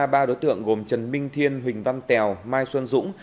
ba đối tượng gồm trần minh thiên huỳnh văn tèo mai xuân dũng